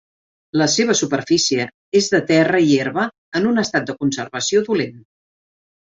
La seva superfície és de terra i herba en un estat de conservació dolent.